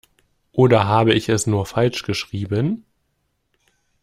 Oder habe ich es nur falsch geschrieben?